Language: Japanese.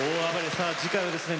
さあ次回はですね